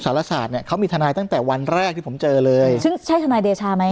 ใช่ทนายเดชาไหม